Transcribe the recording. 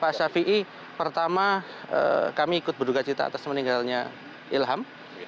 pak shafiee pertama kami ikut berduga cita atas meninggalnya ilham